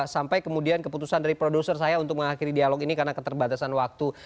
sampai kemudian keputusan dari produser saya untuk mengakhiri dialog ini karena keterbatasan waktu